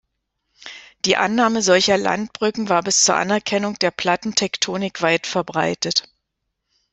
Die Annahme solcher Landbrücken war bis zur Anerkennung der Plattentektonik weitverbreitet.